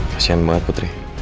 kasian banget putri